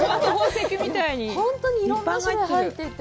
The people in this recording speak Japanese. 本当にいろんな種類入っていて。